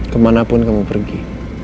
kapan pun kamu pergi